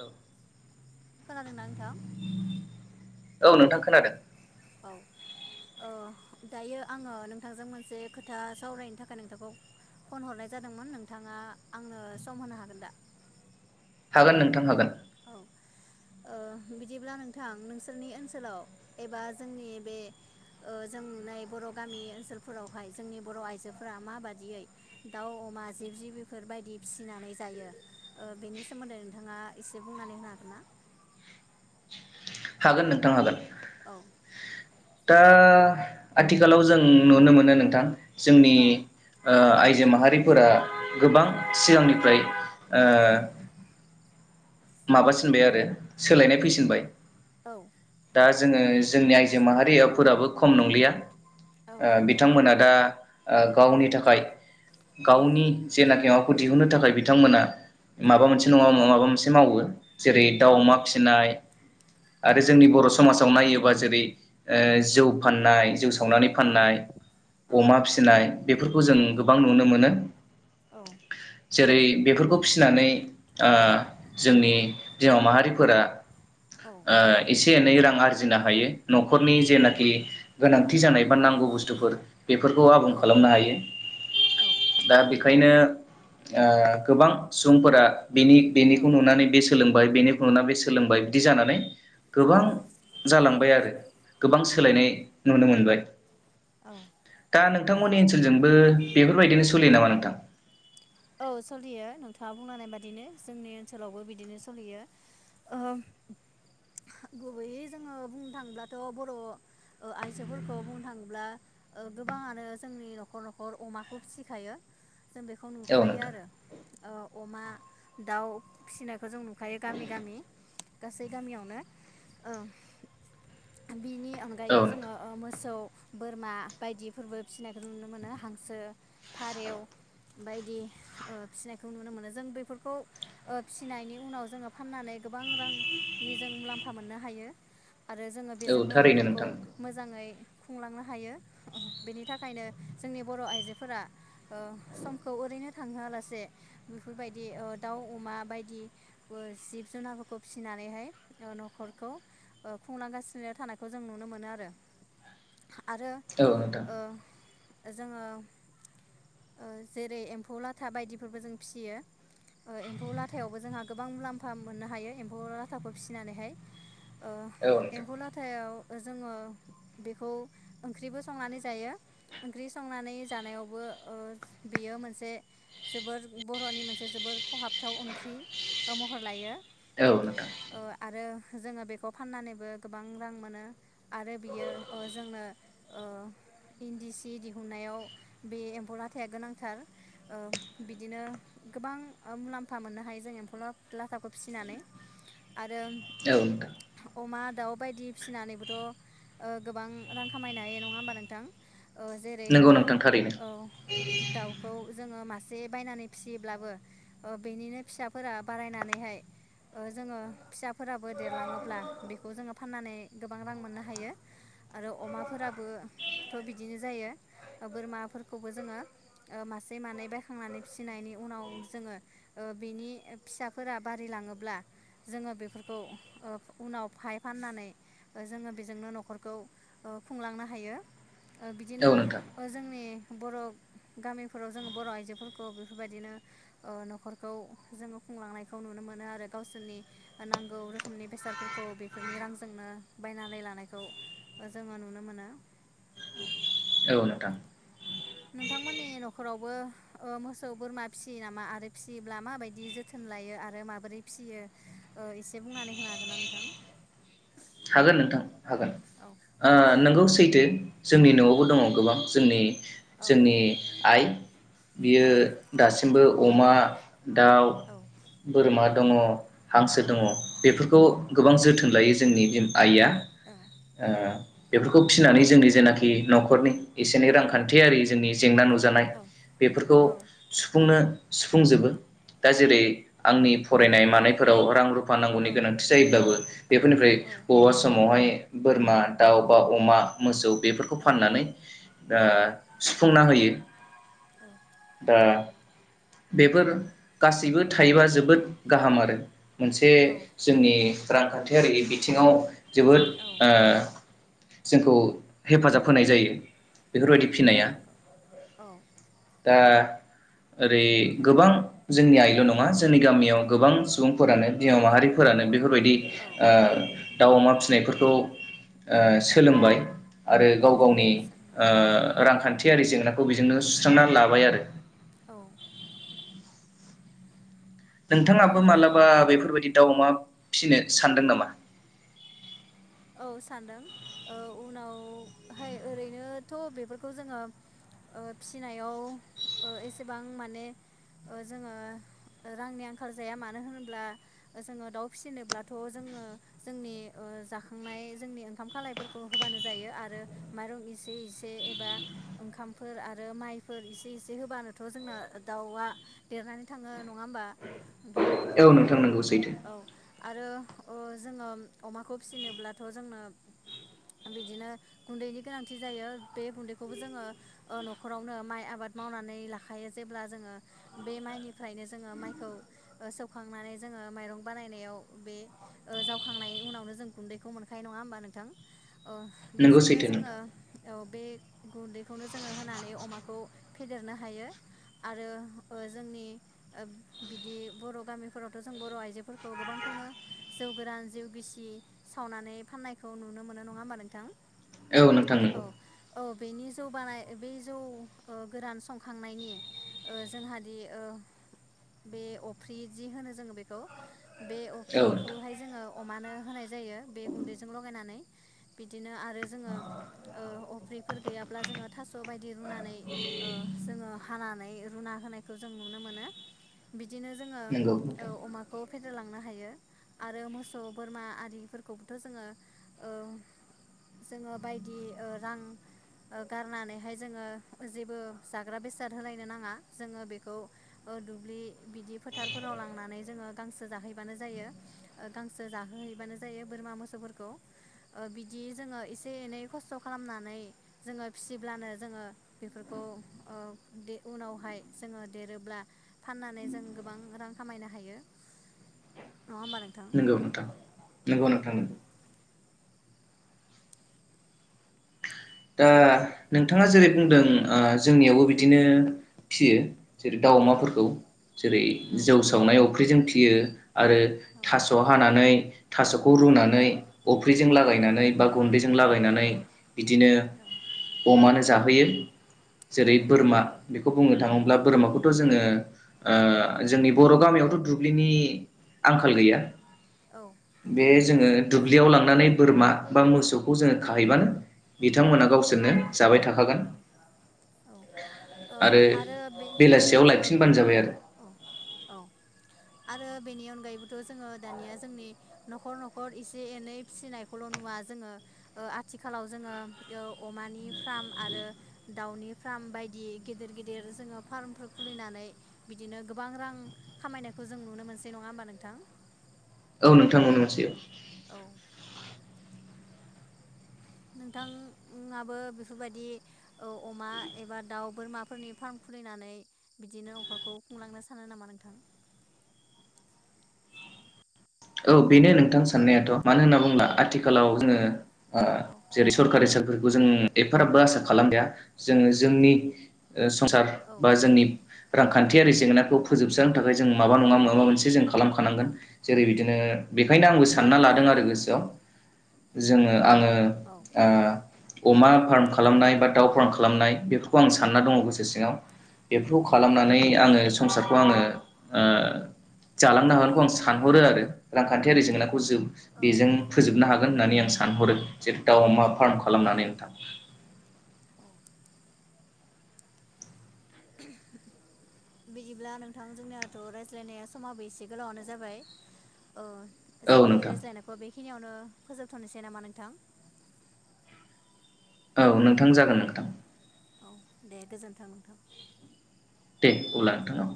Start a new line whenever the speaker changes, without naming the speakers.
औ
खोनादोंना नोंथां?
औ नोंथां खोनादों।
अह दायो आङो नोंथांजों मोनसे खोथा सावरायनो थाखाय नोंथांखौ फन हरनाय जादोंमोन नोंथाङा आंनो सम होनो हागोन दा?
हागोन नोंथां हागोन।
औ ओ बिदिब्ला नोंथां नोंसोरनि ओनसोलाव एबा जोंनि बे ओ जों नुनाय बर' गामि ओनसोलफोरावहाय जोंनि बर' आइजोफोरा माबादियै दाउ अमा जिब जि बेफोरबायायदि फिसिनानै जायो ओ बेनि सोमोन्दै नोंथाङा एसे बुंनानै होनो हागोन ना?
हागोन नोंथां हागोन।
औ
दा आथिखालाव जों नुनो मोनो नोंथां जोंनि
औ
ओ आइ जो माहारिफोरा गोबां
औ
सिगांनिफ्राय ओ
औ
माबासिनबाय आरो सोलायनाय फैसिनबाय।
औ
दा
नंगौ
जोङो जोंनि आइ जो माहारियाफोराबो खम नंलिया।
औ
ओ
नंगौ
बिथांमोना दा ओ गावनि थाखाय
औ
गावनि जेनाकि [unintelligible] खौ दिहुननो थाखाय बिथांमोना माबा
औ
मोनसे नङा माबा मोनसे मावो जेरै
औ
दाव अमा फिसिनाय आरो जोंनि बर' समाजाव नायोबा जेरै ओ जौ फाननाय जौ संनानै
औ
फाननाय अमा फिसिनाय बेफोरखौ जों गोबां नुनो मोनो जेरै बेफोरखौ फिसिनानै [unintelligible] हिनजाव माहारिफोरा ओ इसे से एनै रां आरजिनो हायो न'खरनि जेनाखि गोनांथि जानाय बा नांगौ बुस्थुफोर। बेफोरखौ आबुं खालामनो हायो दा बे खायनो ओ गोबां सुबुंफोरा बेनि बेनि
औ
नुनानै बे सोलोंबाय बेनिखौ नुना बे सोलोंबाय बिदि जानानै गोबां जालांबाय आरो। ओ गोबां सोलायनाय नुनो मोनबाय। [inaudible]
औ
दा नोंथांमोननि ओनसोलजोंबो बेफोरबायदिनो सोलियो नामा नोंथां?
थाङा बुंलांनाय बादिनो जोंनि ओनसोलावबो बिदिनो सोलियो ओ गुबैयै जोङो बुंनो थाङोब्लाथ' बर' ओ आइजोफोरखौ बुंनो थाङोब्ला ओ गोबाङानो जोंनि न'खर न'खर अमाखौ फिसिखायो। जों बेखौ
औ
नुखायो
नोंथां
आरो ओ अमा दाउ फिसिनायखौ जों नु खायो गामि गामि। गासै गामियावनो ओ बिनि
औ
अनगायैबो
नोंथां
जोङो ओ मोसौ बोरमा बायदिफोरबो फिसिनायखौ नुनो मोनो हांसो फारेउ बायदि फिसिनायखौ नुनो मोनो जों बेफोरखौ फिसिनायनि उनाव जोङो फाननानै गोबां रांनि जों मुलाम्फा मोननो हायो। आरो जोङो
औ
बेजोंनो
थारैनो
न'खरखौ
नोंथां
मोजाङै खुंलांनो हायो बेनि थाखायनो जोंनि बर' आइजो फोरा ओ समखौ ओरैनो थांहोआलासे बेफोरबायदि ओ दाउ अमा बायदिबो जिब जुनारफोरखौ फिसिनानैहाय न'-न'खरखौ ओ खुंलांगासिनोनो थानायखौ जों नुनो मोनो आरो। आरो
औ नोंथां
ओ जोङो ओ जेरै एम्फौ लाथा बायदिफोरबो जों फिसियो ओ एम्फौ लाथायावबो जोंहा गोबां मुलाम्फा मोननो हायो एम्फौ लाथाखौ फिसिनानैहाय ओ
औ नोंथां
एम्फौलाथायाव जोङो बेखौ ओंख्रिबो संनानै जायो ओंख्रि संनानै जानायाव बो ओ बेयो मोनसे जोबोर बर'नि मोनसे जोबोर खहाबथाव ओंख्रि ओ महर लायो।
औ नोंथां
ओ आरो जोङो बेखौ फाननानैबो गोबां रां मोनो आरो बियो ओ जोंनो ओ इन्दि सि दिहुननायाव बे एम्फौ लाथाया गोनांथार ओ बिदिनो गोबां ओ मुलाम्फा मोननो हायो जों एम्फौ ला-लाथाखौ फिसिनानै आरो
औ नोंथां।
अमा दाउ बायदि फिसिनानैबोथ' ओ गोबां रां खामायनो हायो नङा होमबा नोंथां? ओ जेरै
नंगौ
जोङो
नोंथां थारैनो
औ दाउ औ जोङो मासे बायनानै फिसियोब्लाबो ओ बेनिनो फिसाफोरा बारायनानैहाय ओ जोङो फिसाफोराबो देरलाङोब्ला बेखौ जोङो फाननानै गोबां रां मोननो हायो आरो अमाफोराबो थ' बिदिनो जायो बोरमा खौबो जोङो मासे मानै बायखांनानै फिसिनायनि उनाव जोङो ओ बिनि फिसाफोरा बारिलाङोब्ला जोङो बेफोरखौ ओ उनाव फाय फाननानै जोङो बेजोंनो न'खरखौ ओ खुंलांनो हायो ओ बिदिनो
औ नोंथां
ओ जोंनि बर' गामिफोराव जोङो बर' आइजोफोरखौ बेफोरबायदिनो ओ न'खरखौ जोङो खुंलांनायखौ नुनो मोनो आरो गावसोरनि नांगौ रोखोमनि बेसादफोरखौ बेफोरनि रांजोंनो बायनानै लानायखौ जोङो नुनो मोनो औ
औ नोंथां
नोंथांमोननि न'खरावबो ओ मोसौ बोरमा फिसियो नामा आरो फिसियोब्ला माबायदि जोथोन लायो आरो माबोरै फिसियो ओ इसे बुंनानै होनो हागोन ना नोंथां?
हागोन नोंथां। हागोन
औ
ओ नोंगौ सैथो। जोंनि
औ
न'आवबो दङ गोबां जोंनि
औ
जोंनि आइ बियो
औ
दासिमबो अमा दाउ
औ
बोरमा
औ
दङ हांसो दङ
औ
बेफोरखौ गोबां जोथोन लायो जोंनि बिम आइया
औ
ओ बेफोर खौ फिनानै जोंनि जेनाखि न'खरनि एसे एनै रांखान्थियारि जोंनि जेंना नु जानाय
औ
बेफोरखौ
औ
सुफुंनो सुफुंजोबो दा जेरै आंनि फरायनाय मानायफोराव रां रु फा
औ
नांगौनि गोनांथि जायोब्लाबो
औ
बेफोरनिफ्राय
औ
बा समावहाय बोरमा दाउ बा अमा मोसौ बेफोरखौ फाननानै दा सुफुंना होयो।
औ
ओ बेफोर गासैबो थायोबा जोबोद गाहाम आरो मोनसे
औ
जोंनि रांखान्थियारि बि थिङाव जोबोद
औ
ओ जोंखौ हेफाजाब होनाय जायो।
औ
बेफोरबायदि फिनाया
नंगौ औ
दा ओरै गोबां जोंनि आइल' नङा जोंनि गामियाव गोबां सुबुं फोरानो बिमा माहारिफोरानो
औ
बेफोरबायदि
औ
ओ दाउ अमा फिनायफोरखौ ओ
औ
सोलोंबाय आरो गाव गावनि
सोलोंबाय
ओ रांखान्थि थियारि जेंनाखौ बेजोंनो सुस्रांना लाबाय आरो
औ आरो
नोंथाङाबो मालाबा
औ
बेफोरबायदि दाउ अमा फिसिनो सानदों नामा?
औ सानदों ओ उनावहाय ओरैनोथ' बेफोरखौ जोङो ओ फिनायाव ओ एसेबां माने ओ जोङो ओ रांनि आंखाल जाया मानो होनोब्ला ओ जोङो दाउ फिसिनोब्लाथ' जोङो जोंनि ओ जा खांनाय जोंनि ओंखाम खालायफोरखौ होबानो जायो आरो माइरं इसे इसे एबा ओंखामफोर आरो माइफोर इसे इसे होबानोथ' जोंना दाउआ देरनानै थाङो नङा होमबा नोंथां
औ नोंथां नंगौ सै
औ आरो ओ जोङो अमाखौ फिसिनोब्लाथ' जोंनो बिदिनो गुन्दैनि गोनांथि जायो बे गुन्दैखौबो जोङो ओ न'खरावनो माइ आबाद मावनानै लाखायो जेब्ला जोङो बे माइनिफ्रायनो जोङो माइखौ ओ सौखांनानै जोङो माइरं बानायनायाव बे ओ जावखांनायनि उनावनो जों गुन्दैखौ मोनखायो नङा होमबा नोंथां। ओ
नोंगौ
बेजोंनो
सैथो
जोङो
नोंथां
औ बे गुदै खौनो जोङो होनानै अमाखौ फेदेरनो हायो आरो ओ जोंनि ओ बिदि बर' गामिफोरावथ' जों बर' आइजोफोरखौ गोबांखौनो जौ गोरान जिउ गिसि सावनानै फाननायखौ नुनो मोनो नङा होमबा नोंथां।
औ नोंथां
औ
नंगौ
औ बेनि जौ बानाय बेै जौ ओ गोरान संखांनायनि ओ जोंहादि ओ बे अफ्रि जि होनो जोङो बेखौ बेखौ बे
औ नोंथां
अफ्रिखौहाय जोङो अमानो होनाय जायो बे गुन्दैजों लगायनानै बिदिनो आरो जोङो ओ अफ्रिफोर गैयाब्ला जोङो थास‌ बायदि रुनानै जोङो हानानै रुना होनायखौ जों नुनो मोनो। बिदिनो जोङो
नोंगौ
ओ
नोंथां
अमाखो नो लांनो हायो आरो मोसौ बोरमा आरिफोरखौबोथ जोङो बायदि ओ रां गारनानै हाय जोङो जेबो जाग्रा बेसाद होलायनो नाङा जोङो बेखौ ओ दुब्लि बिदि फोथारफोराव लांनानै जोंङो गांसो जाहैबानो जायो ओ गांसो जाहोहैबानो जायो बोरमा मोसौफोरखौ बिदि जोङो एसे एनै खस्थ‌ खालामनानै जोङो फिसिब्लानो जोङो बेफोरखौ ओ उनावहाय जोङो देरोब्ला फाननानै जों गोबां रां खामायनो हायो नङा होमबा नोंथां
नोंगौ नोंथां नोंगौ नोंथां
औ
नोंगौ दा नोंथाङा जेरै
औ
बुंदों ओ जेरै जोंनियावबो बिदिनो फिसियो। जेरै दाउ
औ
अमाफोरखौ जेरै
औ
जौ सावनाय अफ्रि जों फिसियो। आरो
औ
थास हानानै थासखौ
औ
रुनानै अफ्रिजों
औ
लागायनानै बा गुन्दैजों लागायनानै बे
औ
बिदिनो अमानो जाहोयो।
औ
जेरै बोरमा बेखौ बुंनो
औ
थाङोब्ला बोरमाखौथ जोङो। ओ जोंनि बर‌ गामियावथ दुब्लिनि आंखाल गैया।
औ
बे
नंगौ
जोङो दुब्लियाव लांनानै बोरमा बा मोसौखौ जोङो जों खाहैबानो। बिथांमोना
औ
गावसोरनो जाबाय थाखागोन।
औ औ ओ
फागोन। आरो
बेनि
बेलासियाव
ओ
लायफिनबानो जाबाय आरो।
औ औ आरो बेनि अनगायैबोथ जोङो दानिया जोंनि नखर नखर एसे एनै फिसिनायखौल नुवा जोङो ओ‌आथिखालाव जोङो ओ अमानि फ्राम आरो दाउनि फ्राम‌ बायदि। बिदि गेदेर गेदेर जोङो फार्मफोर खुलिनानै बिदिनो गोबां रां खामायनायखौ जों नुनो मोनसै नङा होमबा नोंथां?
औ नोंथां मोन मोनसे।
औ। नोंथाङाबो बेफोरबायदि ओ अमा एबा दाउ बोरमाफोरनि फार्म खुलिनानै बिदिनो नखरखौ खुंलांनो सानो नामा नोंथां?
औ बेनो नोंथां साननायाथ मानो होनना बुङोब्ला आथिखालाव जोङो। ओ
औ
जेरै सरकारि हिसाबै फोरखौ जों एफाराबबो आसा खालाम जाया जोङो जोंनि ओ संसार
औ
बा जोंनि
नंगौ
रां खा खान्थियारि जेंनाखौ फोजोबस्रांनो थाखाय जों माबा नङा माबा मोनसे जों खालामखानांगोन
औ
जेरै बिदि बिदिनो बेखायनो आंबो सानना
औ
लादों आरो
नंगौ
गोसोआव जोङो आङो‌।
औ
ओ। अमा फार्म खालामनाय बा दाउ फार्म खालामनाय बेफोरखौ आं सानना दङ गोसो सिङाव बेफोरखौ। खालामनानै आङो
औ
संसारखौ आङो ओ। जालांनो
औ
हागोनखौ आं सानहरो आरो। रांखान्थियारि जेंना [unintelligible]
औ
बेजों फोजोबनो हागोन होननानै आं सानहरो जेरै दाउ अमा। फार्म
औ
खालामनानै नोंथां।
औ बिदिब्ला नोंथां जोंनियाथ' रायज्लायनाया समाबो एसे गोलावानो जाबाय। अ
औ
जोंनि
नोंथां
रायज्लायनायखौ बे खिनियावनो फोजोबथ'नोसै नामा नोंथां?
औ नोंथां जागोन नोंथां।
औ दे गोजोन्थों नोंथां।
दे अब्ला नोंथां।